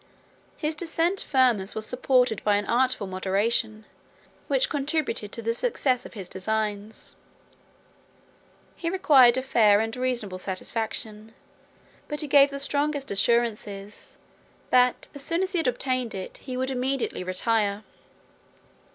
His decent firmness was supported by an artful moderation, which contributed to the success of his designs. He required a fair and reasonable satisfaction; but he gave the strongest assurances, that, as soon as he had obtained it, he would immediately retire.